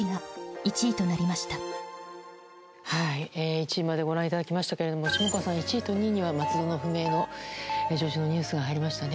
１位までご覧いただきましたけれども下川さん１位と２位には松戸の不明の女児のニュースが入りましたね。